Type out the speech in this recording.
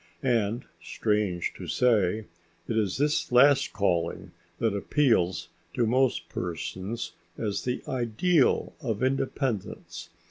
And, strange to say, it is this last calling that appeals to most persons as the ideal of independence.